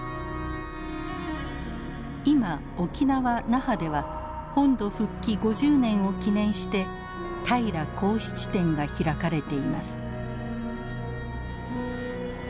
今沖縄・那覇では本土復帰５０年を記念して平良孝七展が開かれています。